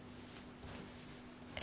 え？